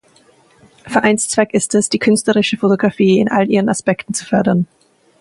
Vereinszweck ist es, die künstlerische Fotografie in all ihren Aspekten zu fördern.